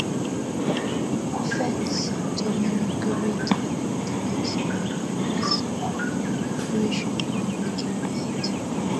Fats Domino covered it the next year, and his version became a hit.